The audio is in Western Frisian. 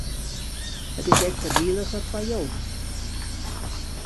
It is ek foardeliger foar jo.